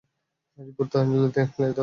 Report এলে দাদাকে ছেড়ে দিব।